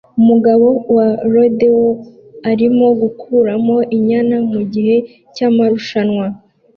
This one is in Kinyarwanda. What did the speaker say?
Umugabo wa rodeo arimo gukuramo inyana mugihe cyamarushanwa